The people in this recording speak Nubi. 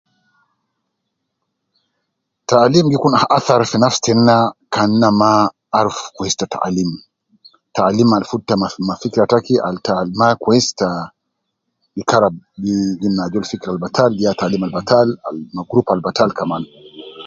Taalim gi kun athar fi nafsi tena ,kan na ma aruf kwesi ta taalim, taalim al fut ma ma fikira taki al ta al ma kwesi ta ,gi kara jib ne ajol fikira al batal de ya taalim al batal ma group al batal kaman